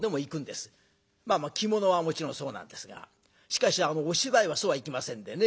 着物はもちろんそうなんですがしかしお芝居はそうはいきませんでね。